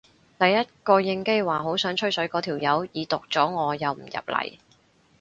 第一個應機話好想吹水嗰條友已讀咗我又唔入嚟